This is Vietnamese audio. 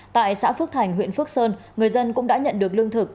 tại xã phước thành huyện phước sơn người dân cũng đã nhận được lương thực